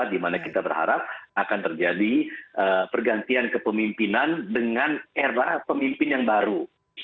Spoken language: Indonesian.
dimana kita berharap akan terjadi pergantian kepemimpinan dengan era pemimpin yang baru